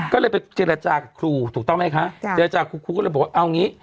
ก็เลยไปเจรจากับครูถูกต้องไหมคะเจรจาครูครูก็เลยบอกว่าเอางี้